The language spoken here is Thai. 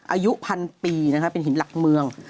อายุพันปีนะคะเป็นหินหลักเมือง